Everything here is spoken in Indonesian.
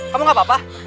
kamu gak apa apa